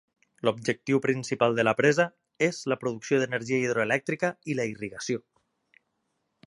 L'objectiu principal de la presa és la producció d'energia hidroelèctrica i la irrigació.